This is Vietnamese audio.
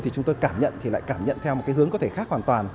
thì chúng tôi cảm nhận thì lại cảm nhận theo một cái hướng có thể khác hoàn toàn